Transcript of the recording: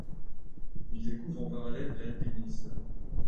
Il découvre en parallèle l'alpinisme.